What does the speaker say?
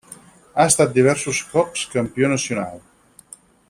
Ha estat diversos cops campió nacional.